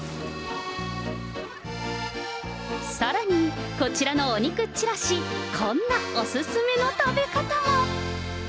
さらに、こちらのお肉ちらし、こんなお勧めの食べ方も。